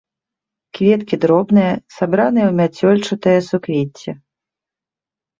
Кветкі дробныя, сабраныя ў мяцёлчатае суквецце.